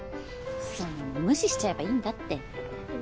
そんなの無視しちゃえばいいんだって。え？